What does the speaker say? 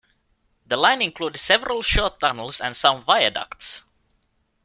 The line included several short tunnels and some viaducts.